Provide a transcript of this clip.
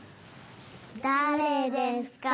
だれですか？